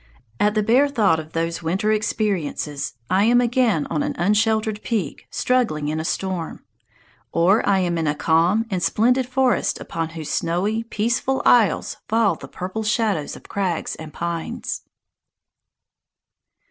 At the bare thought of those winter experiences I am again on an unsheltered peak struggling in a storm; or I am in a calm and splendid forest upon whose snowy, peaceful aisles fall the purple shadows of crags and pines.